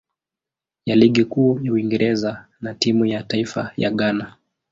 ya Ligi Kuu ya Uingereza na timu ya taifa ya Ghana.